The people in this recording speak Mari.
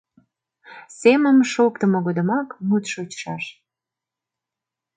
Семым шоктымо годымак мут шочшаш.